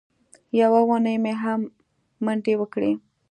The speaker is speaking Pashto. یوه اونۍ مې هم منډې وکړې.